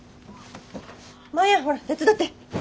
マヤほら手伝って。